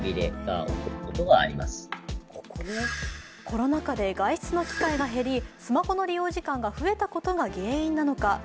コロナ禍で外出の機会が減りスマホの利用時間が増えたことが原因なのか